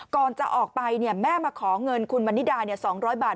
ก่อนจะออกไปแม่มาขอเงินคุณวันนิดา๒๐๐บาท